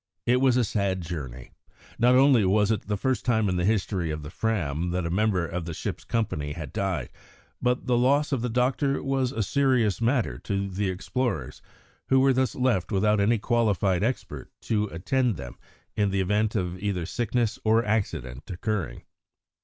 It was a sad journey. Not only was it the first time in the history of the Fram that a member of the ship's company had died, but the loss of the doctor was a serious matter to the explorers, who were thus left without any qualified expert to attend to them in the event of either sickness or accident occurring.